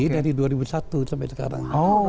dari dua ribu satu sampai sekarang